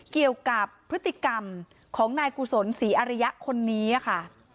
เกี่ยวกับพฤติกรรมของนายกุศลศรีอริยะคนนี้ค่ะ